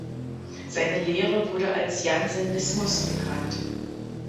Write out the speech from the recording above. Seine Lehre wurde als Jansenismus bekannt.